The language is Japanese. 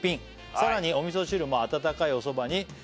「さらにお味噌汁も温かいおそばに」